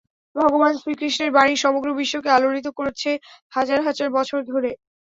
ভগবান শ্রীকৃষ্ণের বাণী সমগ্র বিশ্বকে আলোড়িত করছে হাজার হাজার বছর ধরে।